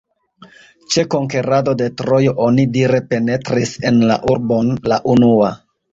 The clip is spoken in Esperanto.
Ĉe konkerado de Trojo onidire penetris en la urbon la unua.